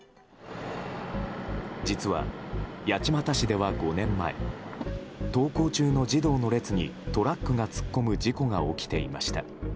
実は八街市では５年前登校中の児童の列にトラックが突っ込む事故が起きていました。